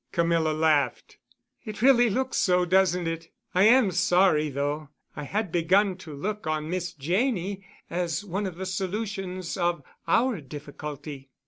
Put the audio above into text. Camilla laughed. "It really looks so, doesn't it? I am sorry, though. I had begun to look on Miss Janney as one of the solutions of our difficulty."